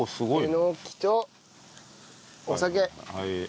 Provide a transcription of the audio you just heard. えのきとお酒。